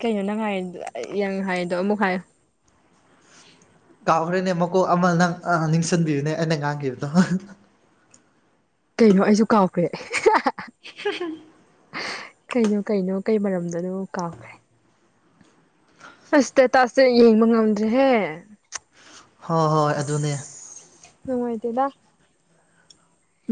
ꯀꯩꯅꯣ ꯅꯪ ꯍꯥꯏꯗꫭ ꯅꯪ ꯍꯥꯏꯗꫭ ꯑꯃꯨꯛ ꯍꯥꯏꯌꯣ ꯀꯥꯎꯈ꯭ꯔꯦꯅꯦ ꯃꯀꯣꯛ ꯑꯃ ꯅꯪ ꯑ ꯅꯤꯡꯁꯤꯡꯕꯤꯌꯨꯅꯦ ꯑꯩꯅ ꯉꯥꯡꯈꯤꯕꯗꯣ ꯀꯩꯅꯣ ꯑꯩꯁꯨ ꯀꯥꯎꯈ꯭ꯔꯦ ꯍꯥ ꯍꯥ ꯀꯩꯅꯣ ꯀꯩꯅꯣ ꯀꯩ ꯃꯔꯝꯗꯅꯣ ꯀꯥꯎꯈ꯭ꯔꯦ ꯑꯁ ꯏꯁꯇꯦꯇꯁ ꯌꯦꯡꯕ ꯉꯝꯗ꯭ꯔꯦꯍꯦ ꯍꯣꯏ ꯍꯣꯏ ꯑꯗꯨꯅꯦ ꯅꯨꯡꯉꯥꯏꯇ‌ꯦꯗꯥ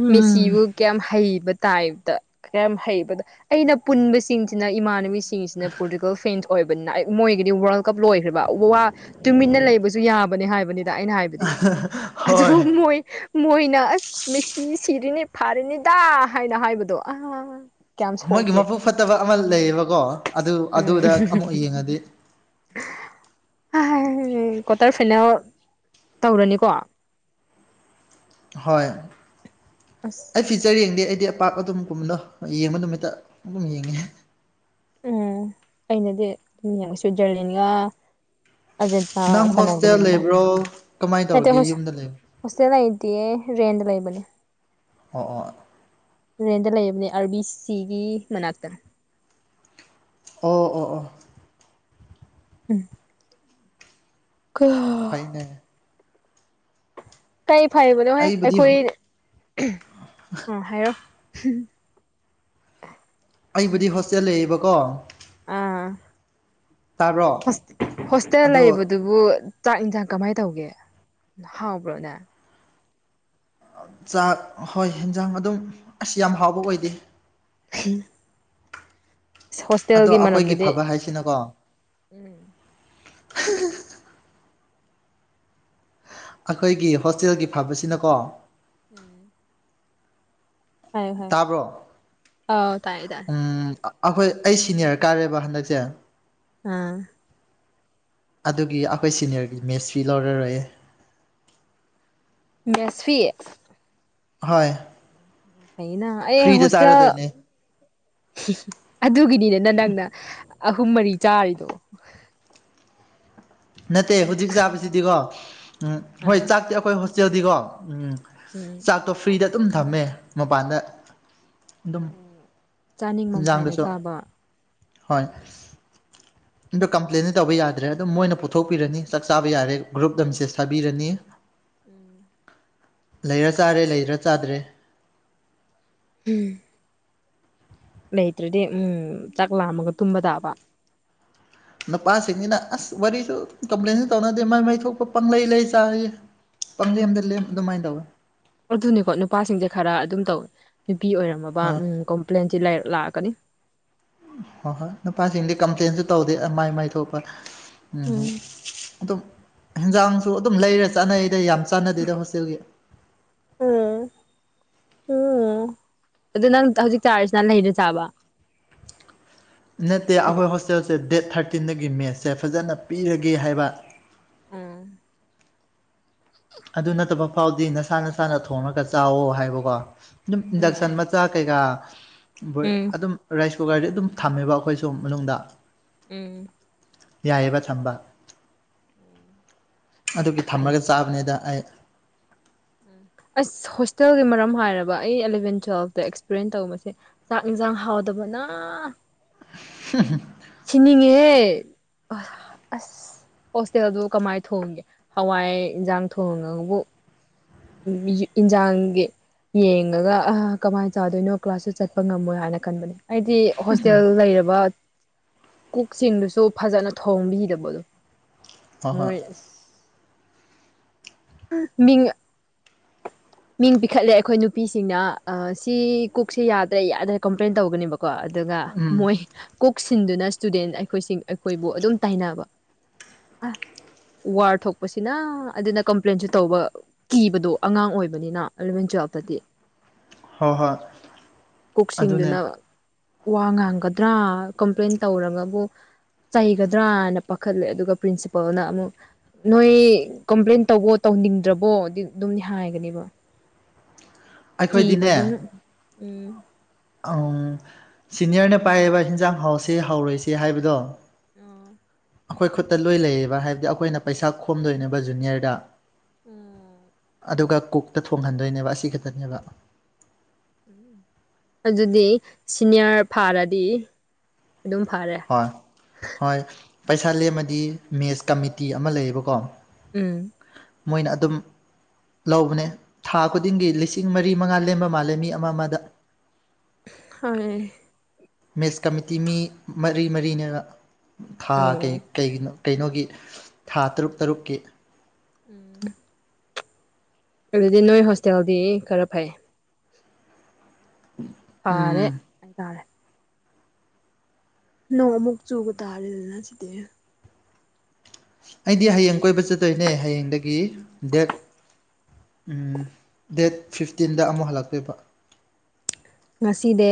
ꯎꯝ ꯃꯦꯁꯤꯕꯨ ꯀꯌꯥꯝ ꯍꯩꯕ ꯇꯥꯏꯞꯇ ꯀꯌꯥꯝ ꯍꯩꯕꯗ ꯑꯩꯅ ꯄꯨꯟꯕꯁꯤꯡꯁꯤꯅ ꯏꯃꯥꯟꯅꯕꯤꯁꯤꯡꯁꯤꯅ ꯄꯣꯔꯇꯨꯀꯜ ꯐꯦꯟ ꯑꯣꯏꯕꯅꯤꯅ ꯑꯩ ꯃꯣꯏꯒꯗꯤ ꯋꯥꯔꯜ ꯀꯞ ꯂꯣꯏꯈ꯭ꯔꯕ ꯎ ꯋꯥ ꯇꯨꯃꯤꯠꯟꯅ ꯂꯩꯕꯁꯨ ꯌꯥꯕꯅꯦ ꯍꯥꯏꯕꯅꯤꯗ ꯑꯩꯅ ꯍꯥꯏꯕ ꯍꯣꯏ ꯑꯗꯨꯕꯨ ꯃꯣꯏ ꯃꯣꯏꯅ ꯑꯁ ꯃꯦꯆꯤ ꯁꯤꯔꯅꯤ ꯐꯔꯅꯤꯗꯥ ꯍꯥꯏꯅ ꯍꯥꯏꯕꯗꯣ ꯑ ꯃꯣꯏꯒꯤ ꯃꯄꯨꯛ ꯐꯠꯇꯕ ꯑꯃ ꯂꯩꯌꯦꯕꯀꯣ ꯑꯗꯨ ꯎꯝ ꯑꯗꯨꯗ ꯑꯃꯨꯛ ꯌꯦꯡꯉꯗꯤ ꯀ꯭ꯋꯥꯇꯔ ꯐꯥꯏꯅꯦꯜ ꯇꯧꯔꯅꯤꯀꯣ ꯍꯣꯏ ꯑꯁ ꯑꯩ ꯐꯤꯆꯔ ꯌꯦꯡꯗꯦ ꯑꯩꯗꯤ ꯑꯄꯥꯛ ꯑꯗꯨꯝ ꯀꯨꯝꯕꯅꯣ ꯌꯦꯡꯕ ꯅꯨꯃꯤꯠꯇ ꯑꯗꯨꯝ ꯌꯦꯡꯉꯦ ꯎꯝ ꯑꯩꯅꯗꯤ ꯑꯗꯨꯝ ꯌꯦꯡꯉꯁꯨ ꯖꯔꯂꯤꯟꯒ [inaudible] ꯑꯔꯖꯦꯟꯇ ꯅꯪ ꯍꯣꯁꯇꯦꯜ ꯁꯅꯥꯒꯅꯤꯗꯅ ꯂꯩꯕ꯭ꯔꯣ ꯀꯃꯥꯏꯅ ꯍꯁ ꯇꯧꯔꯒꯦ ꯌꯨꯝꯗ ꯂꯩꯕ ꯍꯣꯁꯇꯦꯜ ꯂꯩꯗꯤꯌꯦ ꯔꯦꯟꯗ ꯂꯩꯕꯅꯦ ꯑꯣ ꯑꯣ ꯔꯦꯟꯗ ꯂꯩꯕꯅꯦ ꯑꯥꯔ ꯕꯤ ꯁꯤꯒꯤ ꯃꯅꯥꯛꯇ ꯑꯣ ꯑꯣ ꯑꯣ ꯎꯝ ꯀ ꯐꯩꯅꯦ ꯀꯩ ꯐꯩꯕꯅꯣꯍ ꯑꯩꯕꯨꯗꯤ ꯑꯩꯈꯣꯏ ꯑꯥ ꯍꯥꯏꯔꯣ ꯑꯩꯕꯨꯗꯤ ꯍꯣꯁꯇꯦꯜ ꯂꯩꯌꯦꯕꯀꯣ ꯑꯥ ꯇꯥꯕ꯭ꯔꯣ ꯍꯣꯁꯇꯦꯜ ꯑꯗꯣ ꯂꯩꯕꯗꯨꯕꯨ ꯆꯥꯛ ꯌꯦꯟꯁꯥꯡ ꯀꯃꯥꯏꯅ ꯇꯧꯒꯦ ꯍꯥꯎꯕ꯭ꯔꯣꯅꯦ ꯆꯥꯛ ꯍꯣꯏ ꯌꯦꯟꯖꯥꯡ ꯑꯗꯨꯝ ꯑꯁ ꯌꯥꯝ ꯍꯥꯎꯕ ꯑꯣꯏꯗꯦ ꯍ ꯑꯗꯣ ꯑꯩꯈꯣꯏꯒꯤ ꯃꯔꯝꯗꯗꯤ ꯐꯕ ꯍꯥꯏꯁꯤꯅꯀꯣ ꯎꯝ ꯑꯩꯈꯣꯏꯒꯤ ꯍꯣꯁꯇꯦꯜꯒꯤ ꯐꯕꯁꯤꯅꯀꯣ ꯎꯝ ꯍꯥꯏꯌꯣ ꯍꯥꯏꯌꯣ ꯇꯥꯕ꯭ꯔꯣ ꯑꯥꯎ ꯇꯥꯏꯌꯦ ꯇꯥꯏꯌꯦ ꯎ ꯑꯩꯈꯣꯏ ꯑꯩ ꯁꯤꯅꯤꯌꯔ ꯀꯥꯔꯦꯕ ꯍꯟꯗꯛꯁꯦ ꯑꯥ ꯑꯗꯨꯒꯤ ꯑꯩꯈꯣꯏ ꯁꯤꯅꯤꯌꯔꯒꯤ ꯃꯦꯁ ꯐꯤ ꯂꯧꯔꯔꯣꯏꯌꯦ ꯃꯦꯁ ꯐꯤ ꯍꯣꯏ ꯐꯏꯅ ꯑꯩ ꯐ꯭ꯔꯤꯗ ꯍꯣꯁꯇꯦꯜ ꯆꯥꯔꯗꯣꯏꯅꯦ ꯑꯗꯨꯒꯤꯅꯤꯗꯅ ꯅꯪꯅ ꯑꯍꯨꯝ ꯃꯔꯤ ꯆꯥꯔꯤꯗꯣ ꯅꯠꯇꯦ ꯍꯧꯖꯤꯛ ꯆꯥꯕꯁꯤꯗꯤꯀꯣ ꯎꯝ ꯍꯣꯏ ꯑꯥ ꯆꯥꯛꯇꯦ ꯑꯩꯈꯣꯏ ꯍꯣꯁꯇꯦꯜꯗꯤꯀꯣ ꯎꯝ ꯎꯝ ꯆꯥꯛꯇꯣ ꯐ꯭ꯔꯤꯗ ꯑꯗꯨꯝ ꯊꯝꯃꯦ ꯃꯄꯥꯟꯗ ꯑꯗꯨꯝ ꯆꯥꯅꯤꯡꯃꯝ ꯍꯥꯏꯅ ꯏꯟꯖꯥꯡꯗꯁꯨ ꯆꯥꯕ ꯍꯣꯏ ꯎꯝ ꯑꯗꯣ ꯀꯝꯄ꯭ꯂꯦꯟꯗꯤ ꯇꯧꯕ ꯌꯥꯗ꯭ꯔꯦ ꯑꯗꯨꯝ ꯃꯣꯏꯅ ꯄꯨꯊꯣꯛꯄꯤꯔꯅꯤ ꯆꯥꯛ ꯆꯥꯕ ꯌꯥꯔꯦ ꯒ꯭ꯔꯨꯞ ꯂꯝꯁꯦ ꯊꯥꯕꯤꯔꯅꯤ ꯎꯝ ꯂꯩꯔ ꯆꯥꯔꯦ ꯂꯩꯗ꯭ꯔ ꯆꯥꯗ꯭ꯔꯦ ꯎꯝ ꯂꯩꯇ꯭ꯔꯗꯤ ꯎꯝ ꯆꯥꯛ ꯂꯥꯝꯃꯒ ꯇꯨꯝꯕ ꯇꯥꯕ ꯅꯨꯄꯥꯁꯤꯡꯁꯤꯅ ꯑꯁ ꯋꯥꯔꯤꯁꯨ ꯀꯝꯄ꯭ꯂꯦꯟꯁꯨ ꯇꯧꯅꯗꯦ ꯃꯥꯏ ꯃꯥꯏ ꯊꯣꯛꯄ ꯄꯪꯂꯩ ꯂꯩ ꯆꯥ ꯄꯪꯗꯤꯦ ꯑꯝꯗ ꯂ ꯑꯗꯨꯃꯥꯏꯅ ꯇꯧꯋꯦ ꯑꯗꯨꯅꯤꯀꯣ ꯅꯨꯄꯥꯁꯤꯡꯁꯦ ꯈꯔ ꯑꯗꯨꯝ ꯇꯧ ꯅꯨꯄꯤ ꯑꯣꯏꯔꯝꯃꯕ ꯑꯥ ꯎ ꯄ꯭ꯂꯦꯟꯁꯤ ꯂꯥꯛꯑꯒꯅꯤ ꯍꯣꯏ ꯍꯣꯏ ꯅꯨꯄꯥꯁꯤꯡꯗꯤ ꯀꯝꯄ꯭ꯂꯦꯟꯁꯨ ꯇꯧꯗꯦ ꯃꯥꯏ ꯃꯥꯏ ꯊꯣꯛꯄ ꯎꯝ ꯑꯗꯨꯝ ꯍꯟꯖꯥꯡꯁꯨ ꯑꯗꯨꯝ ꯂꯩꯔꯦ ꯆꯠꯅꯩꯗ ꯌꯥꯝ ꯆꯥꯟꯅꯗꯦꯗ ꯍꯣꯁꯇꯦꯜꯒꯤ ꯎꯝ ꯎꯝ ꯑꯗꯨ ꯅꯪ ꯍꯧꯖꯤꯛ ꯆꯥꯔꯤꯁꯤ ꯅ ꯂꯩꯗ ꯆꯥꯕ ꯅꯠꯇꯦ ꯑꯩꯈꯣꯏ ꯍꯣꯁꯇꯦꯜꯁꯦ ꯗꯦꯠ ꯊꯥꯔꯇꯤꯟꯗꯒꯤ ꯃꯦꯠꯁꯦ ꯐꯖꯅ ꯄꯤꯔꯒꯦ ꯍꯥꯏꯕ ꯎꯝ ꯑꯗꯨ ꯅꯠꯇꯕ ꯐꯥꯎꯗꯤ ꯅꯁꯥ ꯅꯁꯥꯅ ꯊꯣꯡꯉꯒ ꯆꯥꯋꯣ ꯍꯥꯏꯕꯀꯣ ꯑꯗꯨꯝ ꯏꯟꯗꯛꯁꯟ ꯃꯆꯥ ꯀꯩꯀꯥ ꯣꯏ ꯎꯝ ꯑꯗꯨꯝ ꯔꯥꯏꯁ ꯀꯨꯀꯔꯗꯤ ꯑꯗꯨꯝ ꯊꯝꯃꯦꯕ ꯑꯩꯈꯣꯏꯁꯨ ꯃꯅꯨꯡꯗ ꯎꯝ ꯌꯥꯏꯑꯦꯕ ꯊꯝꯕ ꯑꯗꯨꯒꯤ ꯐꯩ ꯊꯝꯃꯒ ꯆꯥꯕꯅꯤꯗ ꯑꯩ ꯎꯝ ꯑꯁ ꯍꯣꯁꯇꯦꯜꯒꯤ ꯃꯔꯝ ꯍꯥꯏꯔꯕ ꯑꯩ ꯑꯦꯂꯕꯦꯟ ꯇꯨꯋꯦꯜꯐꯇ ꯑꯦꯛꯁꯄꯔꯤꯦꯟꯟ ꯇꯧꯕꯁꯦ ꯆꯥꯛ ꯌꯦꯟꯁꯥꯡ ꯍꯥꯎꯗꯕꯅ ꯍ ꯁꯤꯅꯤꯡꯉꯦꯍꯦ ꯑꯁ ꯍꯣꯁꯇꯦꯜꯗꯨ ꯀꯃꯥꯏ ꯊꯣꯡꯒꯦ ꯍꯋꯥꯏ ꯌꯦꯟꯖꯥꯡ ꯊꯣꯡꯉꯕꯨ ꯏꯟꯖꯥꯡꯒꯤ ꯌꯦꯡꯉꯒ ꯑ ꯀꯃꯥꯏꯅ ꯆꯥꯗꯣꯏꯅꯣ ꯀ꯭ꯂꯥꯁꯇ ꯆꯠꯄ ꯉꯝꯃꯣꯏ ꯍꯥꯏꯅ ꯈꯟꯕꯅꯦ ꯑꯩꯗꯤ ꯍꯣꯁꯇꯦꯜ ꯂꯩꯔꯕ ꯀꯨꯛꯁꯤꯡꯗꯨꯁꯨ ꯐꯖꯅ ꯊꯣꯡꯕꯤꯗꯕꯗꯣ ꯍꯣꯏ ꯍꯣꯏ ꯃꯣꯏ ꯃꯤ ꯃꯤꯡ ꯄꯤꯈꯠꯂꯦ ꯑꯩꯈꯣꯏ ꯅꯨꯄꯤꯁꯤꯡꯅ ꯁꯤ ꯀꯨꯛꯁꯦ ꯌꯥꯗ꯭ꯔꯦ ꯌꯥꯗ꯭ꯔꯦ ꯀꯝꯄ꯭ꯂꯦꯟ ꯇꯧꯒꯅꯦꯕꯀꯣ ꯀꯣ ꯑꯗꯨꯒ ꯎꯝ ꯃꯣꯏ ꯀꯣꯛ ꯁꯤꯟꯗꯨꯅ ꯏꯁꯇꯨꯗꯦꯟ ꯑꯩꯈꯣꯏꯁꯤꯡ ꯑꯩꯈꯣꯏꯕꯨ ꯑꯗꯨꯝ ꯇꯥꯏꯅꯕ ꯑ ꯋꯥꯔ ꯊꯣꯛꯄꯁꯤꯅ ꯑꯗꯨꯅ ꯀꯝꯄ꯭ꯂꯦꯟꯁꯨ ꯇꯧꯕ ꯀꯤꯕꯗꯣ ꯑꯉꯥꯡ ꯑꯣꯏꯕ ꯅꯤꯅ ꯑꯔꯕꯤꯟ ꯆꯧꯄꯇꯤ ꯍꯣꯏ ꯍꯣꯏ ꯑꯗꯨꯅꯦ ꯀꯣꯛꯁꯤꯡꯗꯨꯅ ꯋꯥ ꯉꯥꯡꯒꯗ꯭ꯔꯥ ꯀꯝꯄ꯭ꯂꯦꯟ ꯇꯧꯔꯒꯕꯨ ꯆꯩꯒꯗ꯭ꯔꯥꯅ ꯄꯥꯈꯠꯂꯦ ꯑꯗꯨꯒ ꯄ꯭ꯔꯤꯟꯁꯤꯄꯥꯜꯅ ꯑꯃꯨꯛ ꯅꯣꯏ ꯀꯝꯄ꯭ꯂꯦꯟ ꯇꯧꯕꯣ ꯇꯧꯅꯤꯡꯗ꯭ꯔꯕꯣ ꯑꯗꯨ ꯑꯗꯨꯝꯅꯤ ꯍꯥꯏꯒꯅꯦꯕ ꯑꯩꯈꯣꯏꯗꯤꯅꯦ ꯀꯤꯕꯗꯨꯅ ꯎꯝ ꯑꯪ ꯁꯤꯅꯤꯌꯔꯅ ꯄꯥꯏꯌꯦꯕ ꯍꯟꯖꯥꯡ ꯍꯥꯎꯁꯤꯦ ꯍꯧꯔꯣꯏꯁ ꯍꯥꯏꯕꯗꯣ ꯑ ꯑꯩꯈꯣꯏ ꯈꯨꯠꯇ ꯂꯣꯏ ꯂꯩꯌꯦꯕ ꯍꯥꯏꯕꯗꯤ ꯑꯩꯈꯣꯏꯅ ꯄꯩꯁꯥ ꯈꯣꯝꯗꯣꯏꯅꯦꯕ ꯖꯨꯅꯤꯌꯔꯗ ꯎꯝ ꯑꯗꯨꯒ ꯀꯣꯛꯛꯇ ꯊꯣꯡꯍꯟꯗꯣꯏꯅꯦꯕ ꯑꯁꯤ ꯈꯛꯇꯅꯦꯕ ꯎꯝ ꯑꯗꯨꯗꯤ ꯁꯤꯅꯤꯌꯔ ꯐꯥꯔꯗꯤ ꯑꯗꯨꯝ ꯐꯔꯦ ꯍꯣꯏ ꯍꯣꯏ ꯄꯩꯁꯥ ꯂꯦꯝꯃꯗꯤ ꯃꯦꯁ ꯀꯃꯤꯇꯤ ꯑꯃ ꯂꯩꯌꯦꯕꯀꯣ ꯎꯝ ꯃꯣꯏꯅ ꯑꯗꯨꯝ ꯂꯧꯕꯅꯦ ꯊꯥ ꯈꯨꯗꯤꯡꯒꯤ ꯂꯤꯁꯤꯡ ꯃꯔꯤ ꯃꯉꯥ ꯂꯦꯝꯕ ꯃꯥꯜꯂꯦ ꯃꯤ ꯑꯃ ꯑꯃꯗ ꯍ ꯃꯦꯁ ꯀꯃꯤꯇꯤ ꯃꯤ ꯃꯔꯤ ꯃꯔꯤꯅ ꯎꯝ ꯊꯥꯒꯩ ꯀꯩꯒꯤꯅꯣ ꯀꯩꯅꯣꯒꯤ ꯊꯥ ꯇꯔꯨꯛ ꯇꯔꯨꯛꯀꯤ ꯎꯝ ꯑꯗꯨꯗꯤ ꯅꯣꯏ ꯍꯣꯁꯇꯦꯜꯗꯤ ꯈꯔ ꯐꯩ ꯐꯔꯦ ꯎꯝ ꯍꯥꯏꯇꯥꯔꯦ ꯅꯣꯡ ꯑꯃꯨꯛ ꯆꯨꯒ ꯇꯥꯔꯦꯗꯅ ꯁꯤꯗꯤ ꯑꯩꯗꯤ ꯍꯌꯦꯡ ꯀꯣꯏꯕ ꯆꯠꯇꯣꯏꯅꯦ ꯍꯌꯦꯡꯗꯒꯤ ꯗꯦꯠ ꯗꯦꯠ ꯐꯤꯐꯇꯤꯟꯗ ꯑꯃꯨꯛ ꯍꯜꯂꯛꯇꯣꯏꯕ ꯉꯁꯤꯗꯤ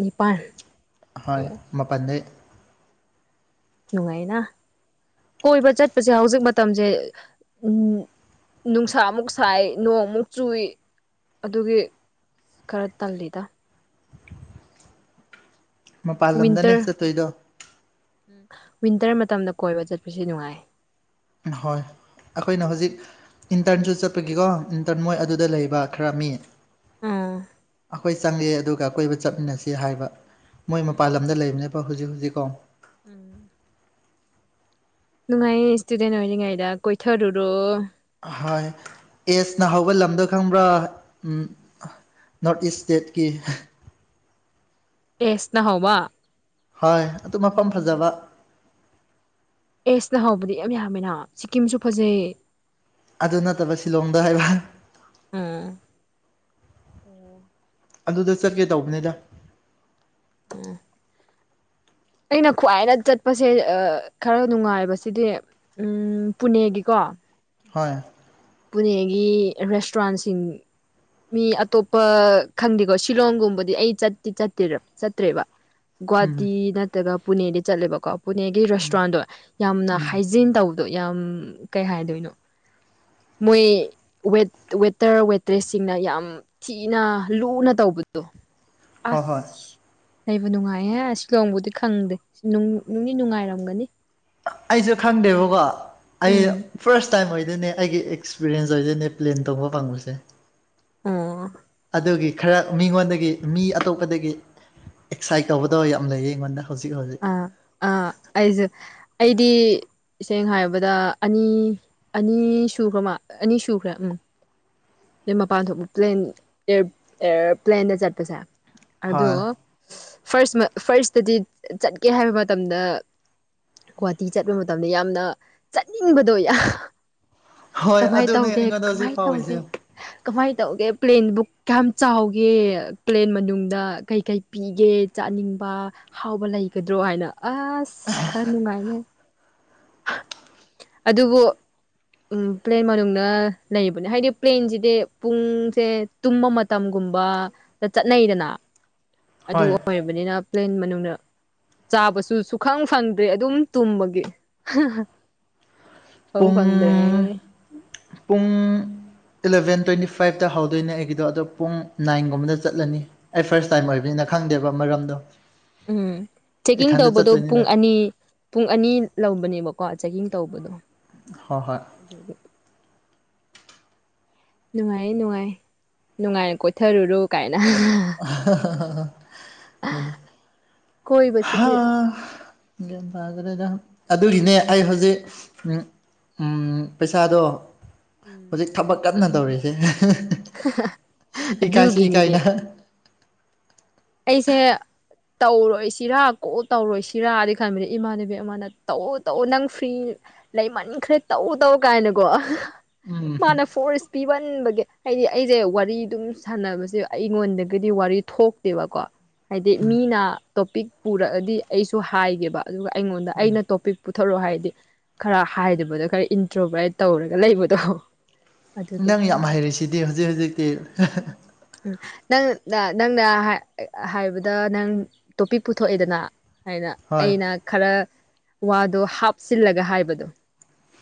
ꯅꯤꯄꯜ ꯍꯣꯏ ꯃꯄꯥꯟꯗꯦ ꯅꯨꯡꯉꯥꯏꯅ ꯀꯣꯏꯕ ꯆꯠꯄꯁꯦ ꯍꯧꯖꯤꯛ ꯃꯇꯝꯁꯦ ꯎꯝ ꯅꯨꯡꯁꯥꯃꯨꯛ ꯁꯥꯏ ꯅꯣꯡꯃꯨꯛ ꯆꯨꯏ ꯑꯗꯨꯒꯤ ꯈꯔ ꯇꯜꯂꯗ ꯃꯄꯥꯟ ꯂꯝꯗꯅꯦ ꯆꯠꯇꯣꯏꯗꯣ ꯎꯝ ꯋꯤꯟꯇꯔ ꯃꯇꯝꯗ ꯀꯣꯏꯕ ꯆꯠꯄꯁ ꯅꯨꯡꯉꯥꯏ ꯍꯣꯏ ꯑꯩꯈꯣꯏꯅ ꯍꯧꯖꯤꯛ ꯏꯟꯇꯔꯟꯁꯨ ꯆꯠꯄꯒꯤꯀꯣ ꯏꯟꯇꯔꯟ ꯃꯣꯏ ꯑꯗꯨꯗ ꯂꯩꯕ ꯈꯔ ꯃꯤ ꯎꯥ ꯑꯩꯈꯣꯏ ꯆꯪꯉꯦ ꯑꯗꯨꯒ ꯀꯀꯣꯏꯕ ꯆꯠꯃꯤꯟꯅꯁꯤ ꯍꯥꯏꯕ ꯃꯣꯏ ꯎꯝ ꯃꯄꯥꯟ ꯂꯝꯗ ꯂꯩꯕꯅꯦꯕ ꯍꯧꯖꯤꯛ ꯍꯧꯖꯤꯛꯀꯣ ꯎꯝ ꯅꯨꯡꯉꯥꯏ ꯏꯁꯇꯨꯗꯦꯟ ꯑꯣꯏꯔꯤꯉꯩꯗ ꯀꯣꯏꯊꯔꯨꯔꯣ ꯍꯣꯏ ꯑꯦꯁꯅ ꯍꯒꯠ ꯂꯝꯗꯣ ꯈꯪꯕ꯭ꯔꯥ ꯅꯣꯔꯠ ꯏꯁ ꯏꯁ꯭ꯇꯦꯠꯀꯤ ꯑꯦꯁ ꯅꯅꯥꯍꯕ ꯍꯣꯏ ꯑꯗꯨ ꯃꯐꯝ ꯐꯖꯕ ꯑꯦꯁꯅ ꯍꯧꯕꯗꯤ ꯌꯥꯝ ꯌꯥꯝꯃꯦꯅ ꯁꯤꯀꯤꯝꯁꯨ ꯐꯖꯩ ꯑꯗꯨ ꯅꯠꯇꯕ ꯁꯤꯂꯣꯡꯗ ꯍꯥꯏꯕ ꯎꯝ ꯑꯣ ꯑꯗꯨꯗ ꯆꯠꯀꯦ ꯇꯧꯕꯅꯤꯗ ꯎꯝ ꯑꯩꯅ ꯈ꯭ꯋꯥꯏꯗ ꯆꯠꯄꯁꯦ ꯈꯔ ꯅꯨꯡꯉꯥꯏꯕꯁꯤꯗꯤ ꯎꯝ ꯄꯨꯅꯦꯒꯤꯀꯣ ꯍꯣꯏ ꯄꯨꯅꯦꯒꯤ ꯔꯦꯁꯇꯨꯔꯥꯟꯁꯤꯡ ꯃꯤ ꯑꯇꯣꯞꯄ ꯈꯪꯗꯦꯀꯣ ꯁꯤꯂꯣꯡꯒꯨꯝꯕꯗꯤ ꯑꯩ ꯆꯠꯇꯤ ꯆꯠꯇꯦ ꯆꯠꯇ꯭ꯔꯦꯕ ꯎꯝ ꯒꯨꯍꯥꯇꯤ ꯅꯠꯇ꯭ꯔꯒ ꯄꯨꯅꯦꯗꯤ ꯆꯠꯂꯦꯕꯀꯣ ꯄꯨꯅꯦꯒꯤ ꯎꯝ ꯔꯦꯁꯇꯨꯔꯥꯟꯗꯣ ꯌꯥꯝꯅ ꯎꯝ ꯍꯥꯏꯖꯤꯟ ꯇꯧꯋ ꯑꯗꯣ ꯌꯥꯝ ꯀꯩ ꯍꯥꯏꯗꯣꯏꯅꯣ ꯃꯣꯏ ꯋꯦꯇꯔ ꯋꯦꯇ꯭ꯔꯦꯁꯁꯤꯡꯅ ꯌꯥꯝ ꯊꯤꯅ ꯂꯨꯅ ꯇꯧꯕꯗꯣ ꯍꯣꯏ ꯍꯣꯏ ꯑꯁ ꯂꯩꯕ ꯅꯨꯡꯉꯥꯏꯌꯦꯍꯦ ꯁꯤꯂꯣꯡꯕꯨꯗꯤ ꯈꯪꯗꯦ ꯅꯨꯡꯅꯤ ꯅꯨꯡꯉꯥꯏꯔꯝꯒꯅꯤ ꯑꯩꯁꯦ ꯈꯪꯗꯦꯕꯀꯣ ꯑꯩ ꯎꯝ ꯐꯥꯔꯁ ꯇꯥꯏꯝ ꯑꯣꯏꯗꯣꯏꯅꯦ ꯑꯩꯒꯤ ꯑꯦꯛꯁꯄꯤꯔꯦꯟꯁ ꯑꯣꯏꯗꯣꯏꯅꯦ ꯄ꯭ꯂꯦꯟ ꯇꯧꯕ ꯐꯪꯕꯁꯦ ꯑꯣ ꯑꯗꯨꯒꯤ ꯈꯔ ꯃꯤꯉꯣꯟꯗꯒꯤ ꯃꯤ ꯑꯇꯣꯞꯄꯗꯒꯤ ꯑꯦꯛꯁꯥꯏꯠ ꯇꯧꯕꯗꯣ ꯌꯥꯝ ꯂꯩꯌꯦ ꯑꯩꯉꯣꯟꯗ ꯍꯧꯖꯤꯛ ꯍꯧꯖꯤꯛ ꯑ ꯑꯩꯁꯨ ꯑꯩꯗꯤ ꯏꯁꯦꯡꯅ ꯍꯥꯏꯕꯗ ꯑꯅꯤ ꯑꯅꯤ ꯁꯨꯈ꯭ꯔ ꯃꯥ ꯑꯅꯤ ꯁꯨꯈ꯭ꯔꯦ ꯎꯝ ꯅ ꯃꯄꯥꯟ ꯊꯣꯛ ꯄ꯭ꯂꯦꯟ ꯑꯦꯌꯥꯔꯄ꯭ꯂꯦꯟꯗ ꯆꯠꯄꯁꯦ ꯑꯗꯣ ꯍꯣꯏ ꯐꯥꯔꯁ ꯐꯥꯔꯁꯇꯗꯤ ꯆꯠꯀꯦ ꯍꯥꯏꯕ ꯃꯇꯝꯗ ꯒꯨꯍꯥꯇꯤ ꯆꯠꯄ ꯃꯇꯝꯗ ꯌꯥꯝꯅ ꯆꯠꯅꯤꯡꯕꯗꯣ ꯍꯣꯏ ꯀꯃꯥꯏ ꯑꯗꯨꯅꯦ ꯇꯧꯒꯦ ꯑꯩꯉꯣꯟꯗ ꯍꯧꯖꯤꯛ ꯀꯃꯥꯏ ꯐꯥꯎꯔꯤꯁꯦ ꯇꯧꯒꯦ ꯀꯃꯥꯏꯅ ꯇꯧꯒꯦ ꯄ꯭ꯂꯦꯟꯕꯨ ꯀꯌꯥꯝ ꯆꯥꯎꯒꯦ ꯄ꯭ꯂꯦꯟ ꯃꯅꯨꯡꯗ ꯀꯩ ꯀꯩ ꯄꯤꯒꯦ ꯆꯥꯅꯤꯡꯕ ꯍꯥꯎꯕ ꯂꯩꯒꯗ꯭ꯔꯣ ꯍꯥꯏꯅ ꯑꯁ ꯈꯔꯅꯨꯡꯉꯥꯏꯒꯦ ꯑꯗꯨꯕꯨ ꯎꯝ ꯄ꯭ꯂꯦꯟ ꯃꯅꯨꯡꯗꯅ ꯂꯩꯕꯅꯦ ꯍꯥꯏꯗꯤ ꯄ꯭ꯂꯦꯟꯁꯤ ꯍꯥꯏꯗꯤ ꯄꯨꯡꯁꯦ ꯇꯨꯝꯕ ꯃꯇꯝꯒꯨꯝꯕꯗ ꯆꯠꯅꯩꯗꯅ ꯍꯣꯏ ꯑꯗꯨꯒ ꯑꯣꯏꯔꯕꯅꯤꯅ ꯄ꯭ꯂꯦꯟ ꯃꯅꯨꯡꯗ ꯆꯥꯕꯁꯨ ꯁꯨꯈꯪ ꯐꯪꯗ꯭ꯔꯦ ꯑꯗꯨꯝ ꯇꯨꯝꯕꯒꯤ ꯐꯪ ꯄꯨꯡ ꯐꯪꯗ꯭ꯔꯦ ꯄꯨꯡ ꯏꯂꯕꯦꯟ ꯇꯣꯏꯋꯟꯇꯤ ꯐꯥꯏꯞꯇ ꯍꯧꯗꯣꯏꯅꯦ ꯑꯩꯒꯤꯗꯣ ꯑꯗꯣ ꯄꯨꯡ ꯅꯥꯏꯟꯒꯨꯝꯕꯗ ꯆꯠꯂꯅꯤ ꯑꯩ ꯐꯥꯔꯁ ꯇꯥꯏꯝ ꯑꯣꯏꯕꯅꯤꯅ ꯈꯪꯗꯦꯕ ꯃꯔꯝꯗꯣ ꯎꯝ ꯆꯦꯛꯀꯤꯡ ꯏꯊꯟꯇ ꯇꯧꯕꯗꯨꯣ ꯄꯨꯡ ꯆꯠꯇꯣꯏꯅꯤꯅ ꯑꯅꯤ ꯄꯨꯡ ꯑꯅꯤ ꯂꯧꯕꯅꯦꯕꯀꯣ ꯆꯦꯛꯀꯤꯡ ꯇꯧꯕꯗꯣ ꯍꯣꯏ ꯍꯣꯏ ꯑꯗꯨꯗꯗꯤ ꯅꯨꯡꯉꯥꯏꯌꯦ ꯅꯨꯡꯉꯥꯏ ꯅꯨꯡꯉꯥꯏꯅ ꯀꯣꯊꯔꯨꯔꯨ ꯀꯥꯏꯅ ꯅꯅꯤ ꯍꯥ ꯀꯣꯏꯕꯁꯤꯗꯤ ꯒꯥꯟꯇꯥꯗꯔ‌ꯦꯗ ꯑꯗꯨꯒꯤꯅꯦ ꯑꯩ ꯍꯧꯖꯤꯛ ꯎꯝ ꯄꯩꯁꯥꯗꯣ ꯎꯝ ꯍꯧꯖꯤꯛ ꯊꯕꯛ ꯀꯟꯅ ꯇꯧꯔꯤꯁꯦ ꯏꯀꯥꯏꯁꯤ ꯑꯗꯨꯒꯤꯅꯤꯅꯦ ꯏꯀꯥꯏꯅ ꯑꯩꯁꯦ ꯇꯧꯔꯣꯏ ꯁꯤꯔꯥ ꯀꯣ ꯇꯧꯔꯣꯏ ꯁꯤꯔꯥꯗꯤ ꯈꯟꯕꯅꯦ ꯏꯃꯥꯟꯅꯕꯤ ꯑꯃꯅ ꯇꯧꯎ ꯇꯧꯎ ꯅꯪ ꯐ꯭ꯔꯤ ꯂꯩ ꯃꯅꯤꯡꯈ꯭ꯔꯦ ꯇꯧ ꯇꯧ ꯀꯥꯏꯅꯀꯣ ꯎꯝ ꯃꯥꯅ ꯐꯣꯔ꯭ꯁ ꯄꯤꯍꯟꯕꯒꯤ ꯍꯥꯏꯗꯤ ꯑꯩꯁꯦ ꯋꯥꯔꯤ ꯑꯗꯨꯝ ꯁꯥꯟꯅꯕꯁꯦ ꯑꯩꯉꯣꯟꯗ ꯀꯔꯤ ꯋꯥꯔꯤ ꯊꯣꯛ ꯇꯦꯕꯀꯣ ꯍꯥꯏꯗꯤ ꯃꯤꯅ ꯇꯣꯄꯤꯛ ꯄꯨꯔꯛꯑꯗꯤ ꯑꯩꯁꯨ ꯍꯥꯏꯒꯦꯕ ꯑꯗꯨꯒ ꯑꯩꯉꯣꯟꯗ ꯑꯩꯅ ꯇꯣꯄꯤꯛ ꯄꯨꯊꯣꯔꯛꯑꯣ ꯍꯥꯏꯗꯤ ꯈꯔ ꯍꯥꯏꯗꯕꯗꯣ ꯈꯔ ꯏꯟꯇ꯭ꯔꯣꯕꯔ꯭ꯠ ꯇꯧꯔꯒ ꯂꯩꯕꯗꯣ ꯑꯗꯨꯒꯤ ꯅꯪ ꯌꯥꯝ ꯍꯩꯔꯤꯁꯤꯗꯤ ꯍꯧꯖꯤꯛ ꯍꯧꯖꯤꯛꯇꯤ ꯎ ꯅꯪ ꯅꯪꯅ ꯍꯥꯏꯕꯗ ꯅꯪ ꯇꯣꯄꯤꯛ ꯄꯨꯊꯣꯛꯑꯦꯗꯅ ꯍꯥꯏꯅ ꯍꯣꯏ ꯑꯩꯅ ꯈꯔ ꯋꯥꯗꯣ ꯍꯥꯞꯆꯤꯜꯂꯒ ꯍꯥꯏꯕꯗꯣ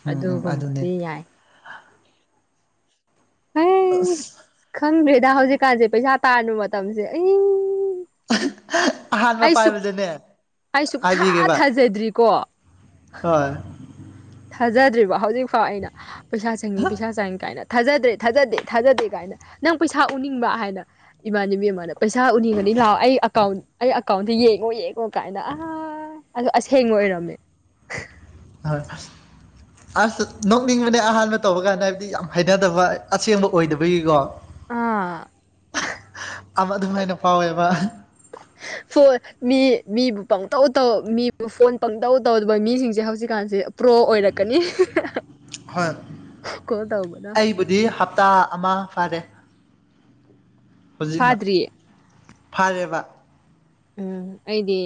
ꯎꯝ ꯎꯝ ꯑꯗꯨꯅꯦ ꯑꯗꯨꯒꯨꯝꯕꯗꯤ ꯌꯥꯏ ꯑ ꯑꯩꯁ ꯈꯪꯗ꯭ꯔꯦꯗ ꯍꯧꯖꯤꯛꯀꯥꯟꯁꯦ ꯄꯩꯁꯥ ꯇꯥꯔꯨ ꯃꯇꯝꯁꯦ ꯑꯩ ꯑꯍꯥꯟꯕ ꯑꯩ ꯁꯨꯛ ꯄꯥꯏꯕꯗꯅꯦ ꯍꯥꯏꯕꯤꯒꯦꯕ ꯁꯦꯗ꯭ꯔꯤꯀꯣ ꯍꯣꯏ ꯊꯥꯖꯗ꯭ꯔꯤꯕ ꯍꯧꯖꯤꯛꯐꯥꯎ ꯑꯩꯅ ꯄꯩꯁꯥ ꯆꯪꯏꯤ ꯄꯩꯁꯥ ꯆꯪꯏ ꯀꯥꯏꯅ ꯊꯥꯖꯗ꯭ꯔꯦ ꯊꯥꯖꯗꯦ ꯊꯥꯖꯗꯦ ꯀꯥꯏꯅ ꯅꯪ ꯄꯩꯁꯥ ꯎꯅꯤꯡꯕ ꯍꯥꯏꯅ ꯏꯃꯥꯟꯅꯕꯤ ꯑꯃꯅ ꯄꯩꯁꯥ ꯎꯅꯤꯡꯉꯅꯤ ꯂꯥꯛꯑꯣ ꯑꯩ ꯑꯀꯥꯎꯟ ꯑꯩ ꯑꯀꯥꯎꯟꯗ ꯌꯦꯡꯉꯣ ꯌꯦꯡꯉꯣ ꯀꯥꯏꯅ ꯑꯥ ꯑ ꯑꯁꯦꯡꯕ ꯑꯣꯏꯔꯝꯃꯦ ꯑꯣꯏ ꯑꯁ ꯅꯣꯛꯅꯤꯡꯕꯅꯦ ꯑꯍꯥꯟꯕ ꯇꯧꯕ ꯀꯥꯟꯗ ꯍꯥꯏꯕꯗꯤ ꯌꯥꯝ ꯍꯩꯅꯗꯕ ꯑꯁꯦꯡꯕ ꯑꯣꯏꯗꯕꯒꯤꯀꯣ ꯑꯥ ꯑ ꯑꯗꯨꯝ ꯍꯥꯏꯅ ꯐꯥꯎꯋꯦꯕ [inaudible] ꯐꯣꯟ ꯃꯤ ꯃꯤꯕꯨ ꯄꯪꯇꯧ ꯇꯧ ꯃꯤꯕꯨ ꯐꯣꯟ ꯄꯪꯇꯧ ꯇꯧꯗꯕ ꯃꯤꯁꯤꯡꯁꯦ ꯍꯧꯖꯤꯛꯀꯥꯟꯁꯦ ꯄ꯭ꯔꯣ ꯑꯣꯏꯔꯛꯀꯅꯤ ꯍꯣꯏ ꯀꯣꯜ ꯇꯧꯕꯗ ꯑꯩꯕꯨꯗꯤ ꯍꯞꯇꯥ ꯑꯃ ꯐꯔꯦ ꯍꯧꯖꯤꯛꯅ ꯐꯥꯗ꯭ꯔꯤꯌꯦ ꯐꯔꯦꯕ ꯎꯝ ꯑꯩꯗꯤ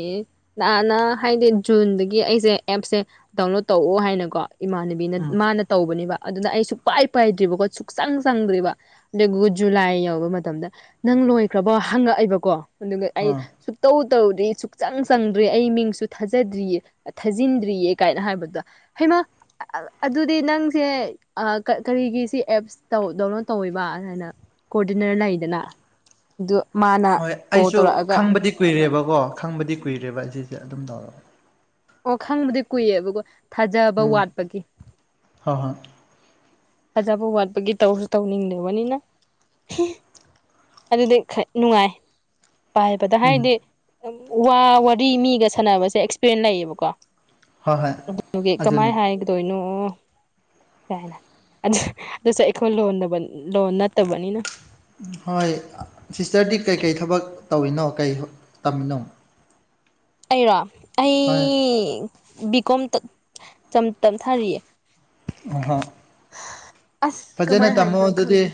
ꯅꯍꯥꯟꯅ ꯍꯥꯏꯗꯤ ꯖꯨꯟꯗꯒꯤ ꯑꯩꯁꯦ ꯑꯦꯞꯁꯦ ꯗꯥꯎꯟꯂꯣꯗ ꯇꯧꯑꯣ ꯍꯥꯏꯅꯀꯣ ꯏꯃꯥꯅꯕꯤ ꯎꯝ ꯃꯥꯅ ꯇꯧꯕꯅꯦꯕ ꯑꯗꯨꯅ ꯑꯩ ꯁꯨꯛꯄꯥꯏ ꯄꯥꯏꯗ꯭ꯔꯤꯕꯀꯣ ꯁꯨꯛꯆꯪ ꯆꯪꯗ꯭ꯔꯤꯕ ꯑꯗꯨꯒ ꯖꯨꯂꯥꯏ ꯌꯧꯕ ꯃꯇꯝꯗ ꯅꯪ ꯂꯣꯏꯈ꯭ꯔꯕꯣ ꯍꯪꯉꯛꯑꯏꯕꯀꯣ ꯑꯗꯨꯒ ꯑꯩ ꯑꯥ ꯇꯧ ꯇꯧꯗ꯭ꯔꯤ ꯁꯨꯛꯆꯪ ꯆꯪꯗ꯭ꯔꯤ ꯑꯩ ꯃꯤꯡꯁꯨ ꯊꯥꯖꯗ꯭ꯔꯤꯌꯦ ꯊꯥꯖꯤꯟꯗ꯭ꯔꯤꯌꯦ ꯀꯥꯏꯅ ꯍꯥꯏꯕꯗ ꯍꯩꯃ ꯑꯗꯨꯗꯤ ꯅꯪꯁꯦ ꯀꯔꯤꯒꯤ ꯁꯤ ꯑꯦꯞꯁ ꯗꯥꯎꯟꯂꯣꯗ ꯇꯧꯋꯤꯕ ꯑꯗꯨꯃꯥꯏꯅ ꯀꯣꯑꯣꯗꯤꯅꯔ ꯂꯩꯗꯅ ꯑꯗꯨ ꯃꯥꯅ ꯍꯣꯏ ꯀꯣꯜ ꯑꯩꯁꯨ ꯇꯧꯔꯛꯑꯒ ꯈꯪꯕꯗꯤ ꯀꯨꯏꯔꯦꯕꯀꯣ ꯈꯪꯕꯗꯤ ꯀꯨꯏꯔꯦꯕ ꯑꯁꯤꯁꯦ ꯑꯗꯨꯝ ꯇꯧꯒ ꯑꯣ ꯈꯪꯕꯗꯤ ꯀꯨꯏꯑꯦꯕꯀꯣ ꯊꯥꯖꯕ ꯎꯝ ꯋꯥꯠꯄꯒꯤ ꯍꯣꯏ ꯍꯣꯏ ꯐꯖꯕ ꯋꯥꯠꯄꯒꯤ ꯇꯧꯁꯨ ꯇꯧꯅꯤꯡꯗꯕꯅꯤꯅ ꯑꯗꯨꯗꯤ ꯈ ꯅꯨꯡꯉꯥꯏ ꯄꯥꯏꯕꯗ ꯎꯝ ꯍꯥꯏꯗꯤ ꯋꯥ ꯃꯤꯒ ꯁꯥꯟꯅꯕꯁꯦ ꯑꯦꯛꯁꯄꯤꯔꯦꯟꯁ ꯂꯩꯌꯦꯕꯀꯣ ꯍꯣꯏ ꯍꯣꯏ ꯑꯗꯨꯒꯤ ꯑꯗꯨꯅꯦ ꯀꯃꯥꯏ ꯍꯥꯏꯒꯗꯣꯏꯅꯣ ꯀꯥꯏꯅ ꯑ ꯑꯁꯨ ꯑꯩꯈꯣꯏ ꯂꯣꯟꯗꯕ ꯂꯣꯟ ꯅꯠꯇꯕꯅꯤꯅ ꯍꯣꯏ ꯁꯤꯁꯇꯔꯗꯤ ꯀꯩꯀꯩ ꯊꯕꯛ ꯇꯧꯔꯤꯅꯣ ꯀꯩ ꯇꯝꯃꯤꯅꯣ ꯑꯩꯔꯣ ꯍꯣꯏ ꯑꯩ ꯕꯤ ꯀꯣꯝ ꯇꯞꯊꯥꯔꯤꯌꯦ ꯑꯍꯥ ꯑꯁ ꯀꯃꯥꯏꯅ ꯍꯥꯏꯗꯣꯏꯅꯣ ꯑꯗꯨꯗꯤ ꯈꯪꯗꯦ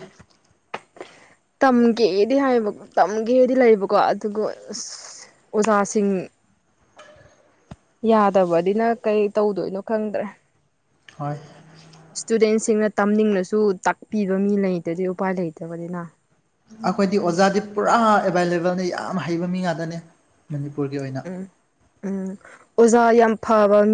ꯇꯝꯒꯦꯗꯤ ꯍꯥꯏꯌꯦꯕ ꯇꯝꯒꯦꯗꯤ ꯂꯩꯕꯀꯣ ꯑꯗꯨꯒ ꯑ ꯑꯣꯖꯥꯁꯤꯡ ꯌꯥꯗꯕꯗꯤꯅ ꯀꯩ ꯇꯧꯗꯣꯏꯅꯣ ꯈꯪꯗ꯭ꯔꯦ ꯍꯣꯏ ꯏꯁꯇꯨꯗꯦꯟꯁꯤꯡꯅ ꯇꯝꯅꯤꯡꯅꯁꯨ ꯇꯥꯛꯄꯤꯕ ꯃꯤ ꯂꯩꯇꯗꯤ ꯎꯄꯥꯏ ꯂꯩꯇꯕꯅꯤꯅ ꯑꯩꯈꯣꯏꯗꯤ ꯑꯣꯖꯥꯗꯤ ꯄꯨꯔꯥ ꯑꯦꯕꯥꯏꯂꯦꯕꯜꯅꯦ ꯌꯥꯝ ꯍꯩꯕ ꯃꯤ ꯉꯥꯛꯇꯅꯦ ꯃꯅꯤꯄꯨꯔꯒꯤ ꯑꯣꯏꯅ ꯎꯝ ꯎꯝ ꯑꯣꯖꯥ ꯌꯥꯝ ꯐꯥꯕ